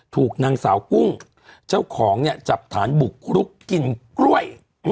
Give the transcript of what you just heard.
ถูกนางสาวกุ้งเจ้าของเนี่ยจับฐานบุกรุกกินกล้วย